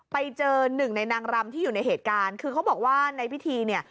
ไปเจอหนึ่งในนางรำที่อยู่ในเหตุการณ์คือเขาบอกว่าในพิธีเนี่ย